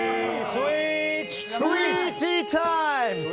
スイーティータイム！